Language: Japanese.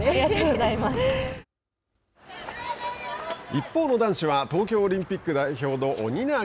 一方の男子は東京オリンピック代表のニナー